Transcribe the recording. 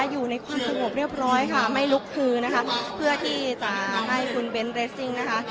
อยู่ในความสงบเรียบร้อยค่ะไม่ลุกคือนะคะเพื่อที่จะให้คุณเบนท์เรสซิ่งนะคะ